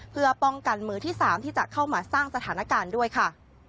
เพื่อป้องกันมือที่๓ที่จะเข้ามาสร้างสถานการณ์ด้วยค่ะ